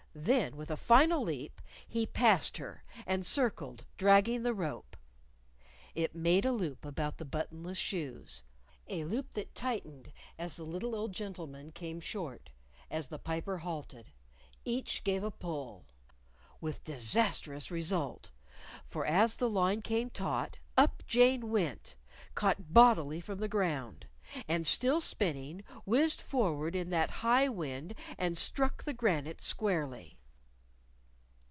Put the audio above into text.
Then with a final leap, he passed her, and circled, dragging the rope. It made a loop about the buttonless shoes a loop that tightened as the little old gentleman came short, as the Piper halted. Each gave a pull With disastrous result! For as the line came taut, up Jane went! caught bodily from the ground. And still spinning, whizzed forward in that high wind and struck the granite squarely.